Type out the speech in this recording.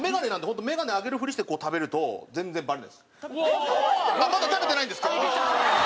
あっまだ食べてないんですけど。